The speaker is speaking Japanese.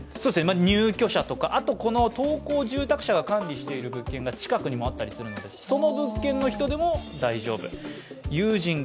入居者とかここの会社が管理している物件が近くにもあったりしますので、その物件の人でも大丈夫。